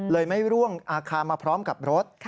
ไม่ร่วงอาคารมาพร้อมกับรถ